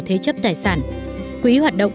thế chấp tài sản quỹ hoạt động